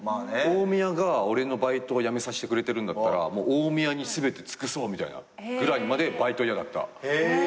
大宮が俺のバイトを辞めさせてくれてるんだったら大宮に全て尽くそうぐらいまでバイト嫌だった。